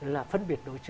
là phân biệt đối xử